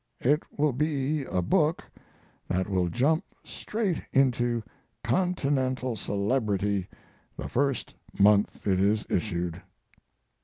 It will be a book that will jump straight into continental celebrity the first month it is issued.